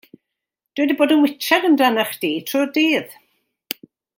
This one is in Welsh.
Dw i 'di bod yn witsiad amdanach chdi trwy dydd.